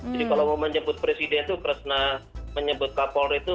jadi kalau mau menyebut presiden itu kresna menyebut kapolri itu